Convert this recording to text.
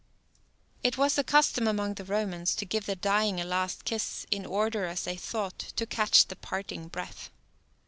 It was the custom among the Romans to give the dying a last kiss, in order, as they thought, to catch the parting breath.